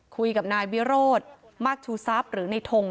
คุยกับนายบิโรธมากทูซัพหรือนายทง